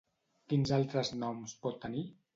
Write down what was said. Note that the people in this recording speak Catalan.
Quins altres noms pot tenir?